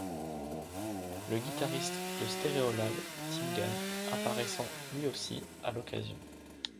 Le guitariste de Stereolab, Tim Gane, apparaissant lui aussi à l'occasion.